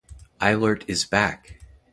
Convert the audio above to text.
Eilert is Back!